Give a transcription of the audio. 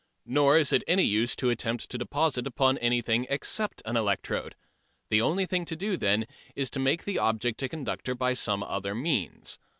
Nor is it any use to attempt to deposit upon anything except an electrode. The only thing to do, then, is to make the object a conductor by some means.